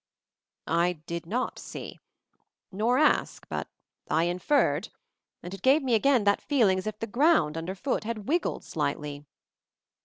I did not see, nor ask, but I inferred, and it gave me again that feeling as if the ground underfoot had wiggled slightly.